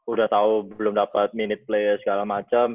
udah tau belum dapet minute play segala macem